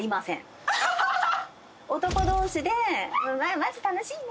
男同士で「マジ楽しいね」